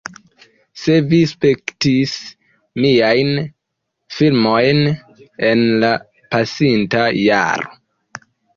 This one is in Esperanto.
Se vi spektis miajn filmojn en la pasinta jaro